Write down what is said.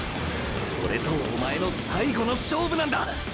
オレとおまえの最後の勝負なんだ！！